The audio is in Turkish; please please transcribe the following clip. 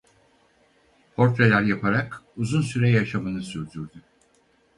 Portreler yaparak uzun süre yaşamını sürdürdü.